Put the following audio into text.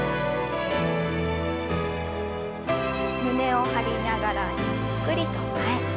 胸を張りながらゆっくりと前。